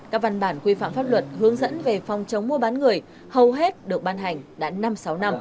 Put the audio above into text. các văn bản quy phạm pháp luật hướng dẫn về phòng chống mua bán người hầu hết được ban hành đã năm sáu năm